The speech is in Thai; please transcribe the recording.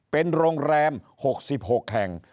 เป็นโรงแรม๖๖แห่ง